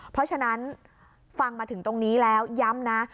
เพราะฉะนั้นฟังมาถึงตรงนี้แล้วย้ำนะ